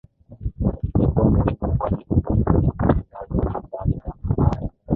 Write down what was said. Limekuwa muhimu kwani huduma za matangazo na habari za amari